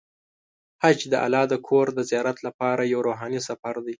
حج د الله د کور د زیارت لپاره یو روحاني سفر دی.